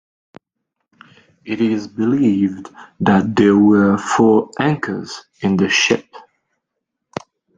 It is believed that there were four anchors in the ship.